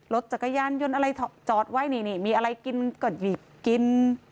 รถจักรยานยนต์อะไรจอดไว้นี่มีอะไรกินก็หยิบกิน